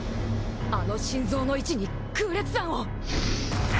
あの心臓の位置に空裂斬を！